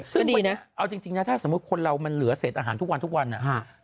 ซึ่งดีนะเอาจริงนะถ้าสมมุติคนเรามันเหลือเศษอาหารทุกวันทุกวัน